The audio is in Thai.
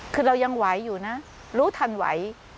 คือเรายังไหวอยู่นะรู้ทันไหว